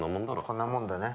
こんなもんでね。